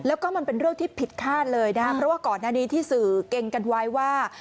แล้วก็มันเป็นเรื่องที่ผิดคาดเลยนะครับเพราะว่าก่อนหน้านี้ที่สื่อเก่งกันไว้ว่า